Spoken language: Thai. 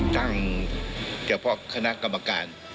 ตั้งเฉพาะคณะกรรมการ